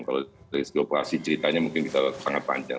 kalau dari sisi operasi ceritanya mungkin kita sangat panjang